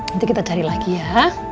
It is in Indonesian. nanti kita cari lagi ya